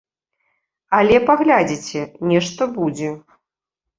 Але, паглядзіце, нешта будзе.